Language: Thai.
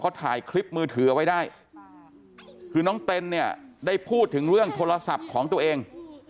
เขาถ่ายคลิปมือถือเอาไว้ได้คือน้องเต้นเนี่ยได้พูดถึงเรื่องโทรศัพท์ของตัวเอง